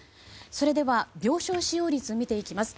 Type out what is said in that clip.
それでは、病床使用率を見ていきます。